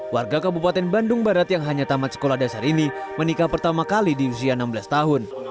warga kabupaten bandung barat yang hanya tamat sekolah dasar ini menikah pertama kali di usia enam belas tahun